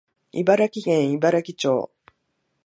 茨城県茨城町